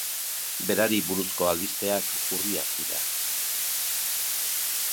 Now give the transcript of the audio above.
Berari buruzko albisteak urriak dira.